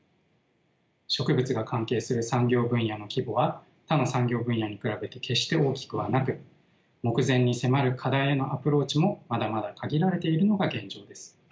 植物が関係する産業分野の規模は他の産業分野に比べて決して大きくはなく目前に迫る課題へのアプローチもまだまだ限られているのが現状です。